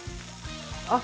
あっ！